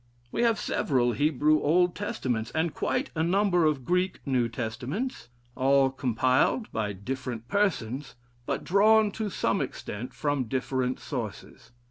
We have several Hebrew Old Testaments, and quite a number of Greek New Testaments, all compiled by different persons, but drawn, to some extent, from different sources.